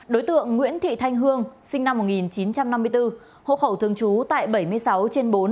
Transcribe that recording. đối tượng nguyễn thị thanh hương sinh năm một nghìn chín trăm năm mươi bốn hộ khẩu thường trú tại bảy mươi sáu trên bốn